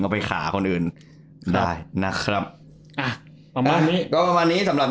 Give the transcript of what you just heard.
ไปขาคนอื่นได้นะครับอ่ะประมาณนี้ก็ประมาณนี้สำหรับ